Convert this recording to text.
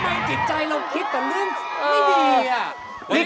ทำไมจิตใจเราคิดกับเรื่องไม่ดีอ่ะ